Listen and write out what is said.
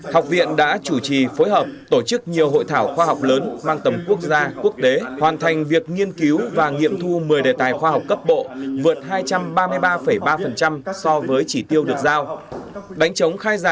học viện đã chủ trì phối hợp tổ chức nhiều hội thảo khoa học lớn mang tầm quốc gia quốc tế hoàn thành việc nghiên cứu và nghiệm thu một mươi đề tài khoa học cấp bộ vượt hai trăm ba mươi ba ba so với chỉ tiêu được giao